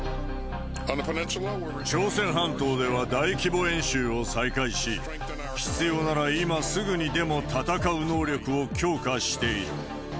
朝鮮半島では大規模演習を再開し、必要なら今すぐにでも戦う能力を強化している。